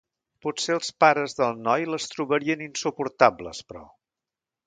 Potser els pares del noi les trobarien insuportables, però.